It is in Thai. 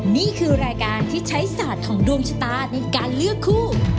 นี่คือรายการที่ใช้ศาสตร์ของดวงชะตาในการเลือกคู่